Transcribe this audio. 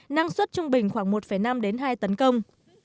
năng suất trung bình khoảng một năm đến hai tấn công